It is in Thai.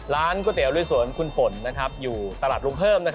ก๋วยเตี๋ยลุยสวนคุณฝนอยู่ตลาดลุงเพิ่ม